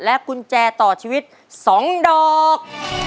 กุญแจต่อชีวิต๒ดอก